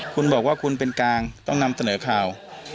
คุณบอกว่าคุณเป็นกลางต้องนำเสนอข่าว